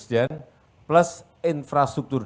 semua dengan lakonan selitare